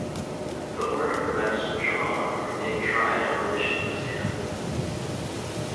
The order prevents Chavan from being tried in relation to the scam.